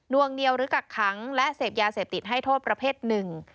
วงเหนียวหรือกักขังและเสพยาเสพติดให้โทษประเภทหนึ่ง